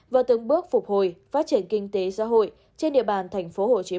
và từng bước phục hồi phát triển kinh tế xã hội trên địa bàn tp hcm